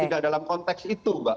tidak dalam konteks itu mbak